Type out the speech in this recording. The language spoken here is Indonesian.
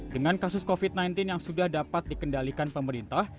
dengan kasus covid sembilan belas yang sudah dapat dikendalikan pemerintah